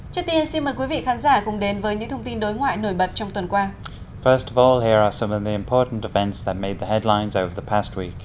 trước tiên xin mời quý vị khán giả cùng đến với những thông tin đối ngoại nổi bật trong tuần qua